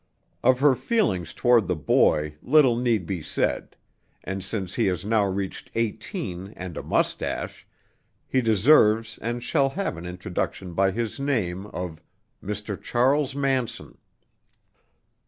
Of her feelings toward the boy little need be said; and since he has now reached eighteen and a moustache, he deserves and shall have an introduction by his name of Mr. Charles Manson.